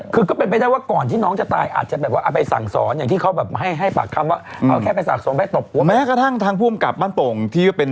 คือก็เป็นไปได้ว่าก่อนที่น้องจะตายอาจจะเอาไปสั่งสอน